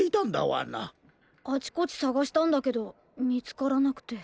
あちこちさがしたんだけどみつからなくて。